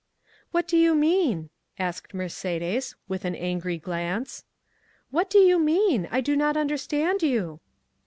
"What do you mean?" asked Mercédès, with an angry glance,—"what do you mean? I do not understand you?"